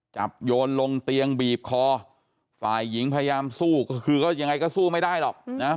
โยนลงเตียงบีบคอฝ่ายหญิงพยายามสู้ก็คือก็ยังไงก็สู้ไม่ได้หรอกนะ